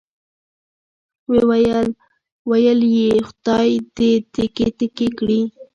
ویل یې خدای دې تیکې تیکې کړي.